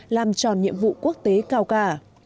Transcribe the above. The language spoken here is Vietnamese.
làm tròn nhiệm vụ quốc tế cao cả